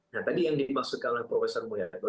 nah tadi yang dimaksudkan oleh prof mulyadmo